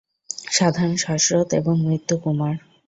সাধারণ শ্বাসরোধ এবং মৃত্যু, কুমার।